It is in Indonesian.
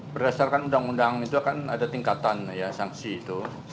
berdasarkan undang undang itu akan ada tingkatan ya sanksi itu